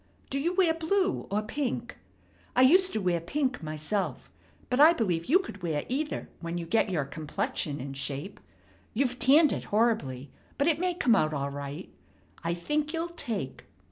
Do you wear blue or pink? I used to wear pink myself, but I believe you could wear either when you get your complexion in shape. You've tanned it horribly, but it may come out all right. I think you'll take.